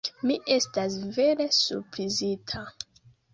Mi estas vere surprizita!